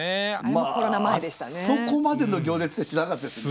あそこまでの行列知らなかったですよね。